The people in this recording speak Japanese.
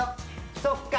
そっか。